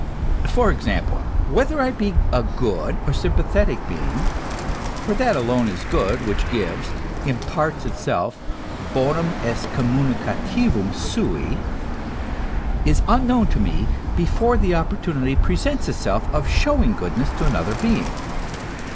For example: Whether I be a good or sympathetic being for that alone is good which gives, imparts itself, bonum est com municativum sui, is unknown to me before the opportunity presents itself of showing goodness to another being.